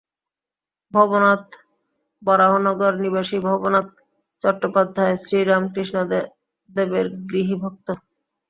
ভবনাথ বরাহনগর-নিবাসী ভবনাথ চট্টোপাধ্যায়, শ্রীরামকৃষ্ণদেবের গৃহী ভক্ত।